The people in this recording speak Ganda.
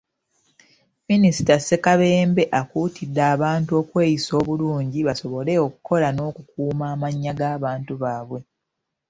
Minisita Ssekabembe akuutidde abantu okweyisa obulungi basobole okukola n'okukuuma amannya g'abantu baabwe.